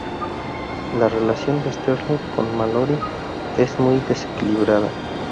La relación de Sterling con Malory es muy desequilibrada.